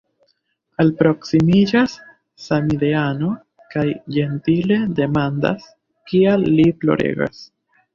Alproksimiĝas samideano kaj ĝentile demandas, kial li ploregas.